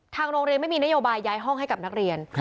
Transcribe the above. ทางโรงเรียนไม่มีนโยบายย้ายห้องให้กับนักเรียน